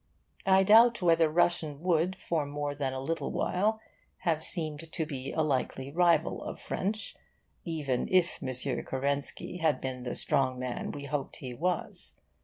I doubt whether Russian would for more than a little while have seemed to be a likely rival of French, even if M. Kerensky had been the strong man we hoped he was.